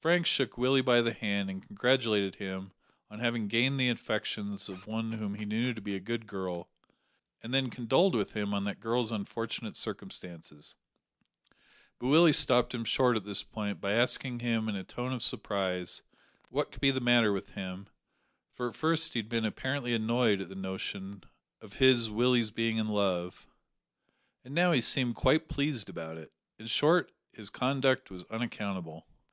Frank shook Willie by the hand and congratulated him on having gained the affections of one whom he knew to be a good girl, and then condoled with him on that girl's unfortunate circumstances; but Willie stopped him short at this point by asking him in a tone of surprise what could be the matter with him, for at first he had been apparently annoyed at the notion of his (Willie's) being in love, and now he seemed quite pleased about it. In short, his conduct was unaccountable!